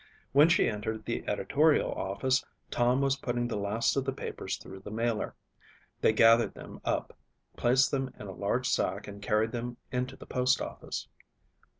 When she entered the editorial office Tom was putting the last of the papers through the mailer. They gathered them up, placed them in a large sack and carried them into the postoffice.